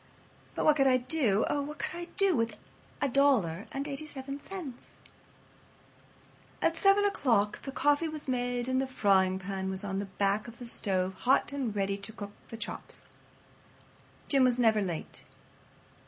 But what could I do—oh! what could I do with a dollar and eighty seven cents?" At 7 o'clock the coffee was made and the frying pan was on the back of the stove hot and ready to cook the chops. Jim was never late.